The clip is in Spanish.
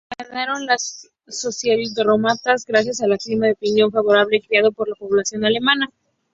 Ganaron los socialdemócratas gracias al clima de opinión favorable creado por la población alemana.